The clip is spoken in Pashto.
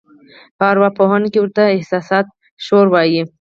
په اروا پوهنه کې ورته احساساتي شور وایي.